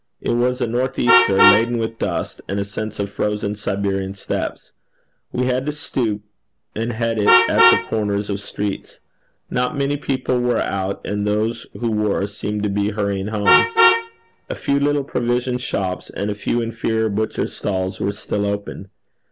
It was a north easter, laden with dust, and a sense of frozen Siberian steppes. We had to stoop and head it at the corners of streets. Not many people were out, and those who were, seemed to be hurrying home. A few little provision shops, and a few inferior butchers' stalls were still open.